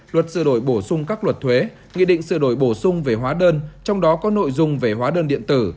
luật sửa đổi bổ sung các luật thuế nghị định sửa đổi bổ sung về hóa đơn trong đó có nội dung về hóa đơn điện tử